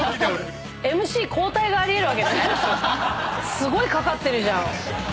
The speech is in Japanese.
すごい懸かってるじゃん。